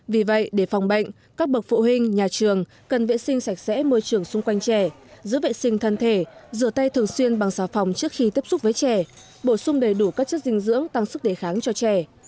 vì vậy để phòng bệnh các bậc phụ huynh nhà trường cần vệ sinh sạch sẽ môi trường xung quanh trẻ giữ vệ sinh thân thể rửa tay thường xuyên bằng xào phòng trước khi tiếp xúc với trẻ bổ sung đầy đủ các chất dinh dưỡng tăng sức đề kháng cho trẻ